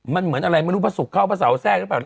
มันเหมือนอะไรไม่รู้พระศุกร์เข้าพระสาวแทรก